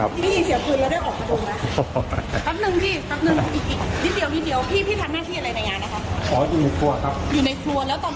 แล้วได้ออกมาดูเลยไหมพี่ก็ไม่ได้กระเดินแค่กระโดดมอง